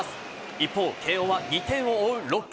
一方、慶応は２点を追う６回。